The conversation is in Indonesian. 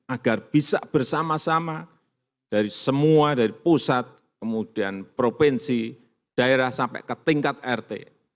agar bisa bersama sama dari semua dari pusat kemudian provinsi daerah sampai ke tingkat rt